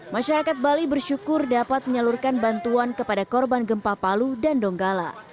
masyarakat bali bersyukur dapat menyalurkan bantuan kepada korban gempa palu dan donggala